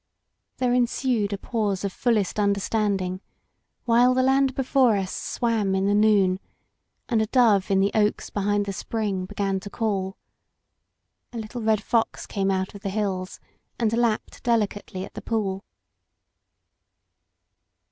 There ensued a pause of fullest understanding, while the land before us swam in the noon, and a dove in the oaks behind the spring began to call. A little red fox came out of the hills and lapped delicately at the pool.